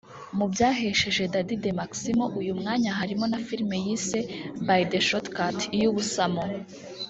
Mu byahesheje Dady de Maximo uyu mwanya harimo na Film yise ‘By the Shortcut/ Iy’ubusamo’